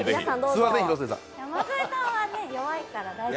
山添さんは弱いから大丈夫。